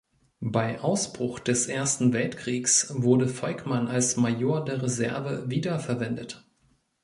Bei Ausbruch des Ersten Weltkriegs wurde Volkmann als Major der Reserve wiederverwendet.